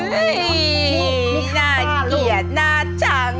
เดี๋ยวหน้าเหยียจหน้าจัง